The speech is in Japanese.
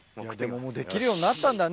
できるようになったんだね